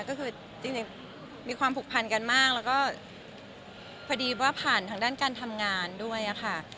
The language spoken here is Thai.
ก็คือจริงมีความผูกพันกันมากแล้วก็พอดีว่าผ่านทางด้านการทำงานด้วยค่ะ